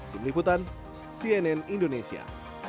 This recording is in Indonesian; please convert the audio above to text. dari meliputan cnn indonesia